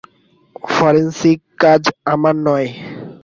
Forensic কাজ আমার নই।